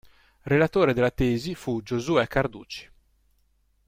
Relatore della tesi fu Giosuè Carducci.